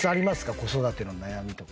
子育ての悩みとか。